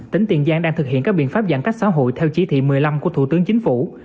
tỉnh tiền giang đang thực hiện các biện pháp giãn cách xã hội theo chỉ thị một mươi năm của thủ tướng chính phủ